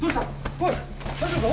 おい大丈夫か？